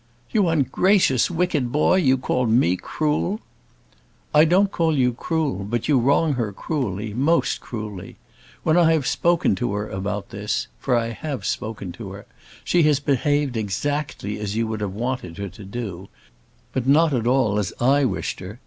"You ungracious, wicked boy! you call me cruel!" "I don't call you cruel; but you wrong her cruelly, most cruelly. When I have spoken to her about this for I have spoken to her she has behaved exactly as you would have wanted her to do; but not at all as I wished her.